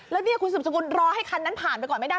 แล้วเนี่ยคุณสุบสกุลรอให้คันนั้นผ่านไปก่อนไม่ได้